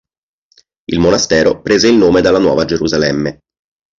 Il monastero prese il nome dalla Nuova Gerusalemme.